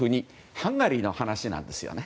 ハンガリーの話なんです。